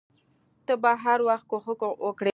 ته به هر وخت کوښښ وکړې.